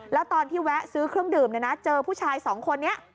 แล้วตอนที่แวะซื้อเครื่องดื่มเนี่ยนะเจอผู้ชายสองคนนี้